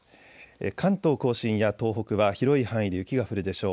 関東甲信や東北は広い範囲で雪が降るでしょう。